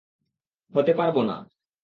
হতে পারবো না?